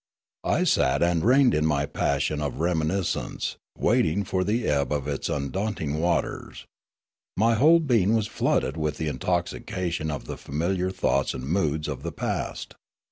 I sat and reined in my pas sion of reminiscence, waiting for the ebb of its inundat ing waters. My whole being was flooded with the intoxication of the familiar thoughts and moods of the past.